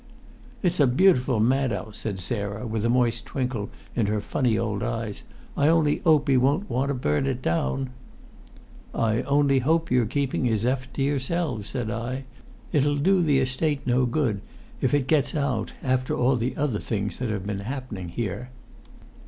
"It's a beautiful mad 'ouse," said Sarah, with a moist twinkle in her funny old eye. "I only 'ope he won't want to burn it down!" "I only hope you're keeping his effort to yourselves," said I. "It'll do the Estate no good, if it gets out, after all the other things that have been happening here."